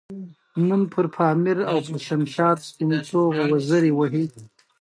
د مخ د دانو لپاره کوم ماسک وکاروم؟